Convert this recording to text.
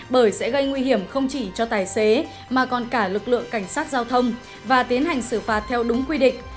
bởi sẽ gây nguy hiểm không chỉ cho tài xế mà còn cả lực lượng cảnh sát giao thông và tiến hành xử phạt theo đúng quy định